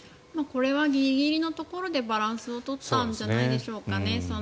これはギリギリのところでバランスを取ったんじゃないでしょうか。